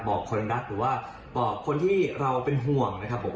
บอกคนรักหรือว่าบอกคนที่เราเป็นห่วงนะครับผม